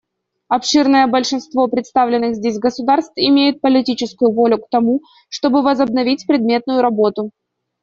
Обширное большинство представленных здесь государств имеют политическую волю к тому, чтобы возобновить предметную работу.